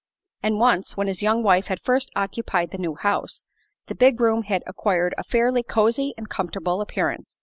And once, when his young wife had first occupied the new house, the big room had acquired a fairly cosy and comfortable appearance.